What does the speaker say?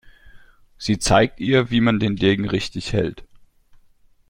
Sie zeigt ihr, wie man den Degen richtig hält.